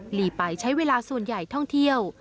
ลีไปใช้เวลาส่วนใหญ่ท่องเที่ยว